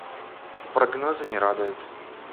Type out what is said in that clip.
Прогнозы не радуют.